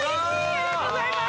ありがとうございます。